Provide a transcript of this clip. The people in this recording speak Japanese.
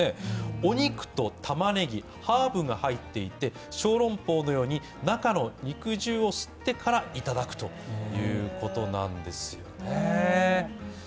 お肉とたまねぎ、ハーブが入っていて、ショーロンポーのように中の肉汁を吸ってからいただくということなんですよね。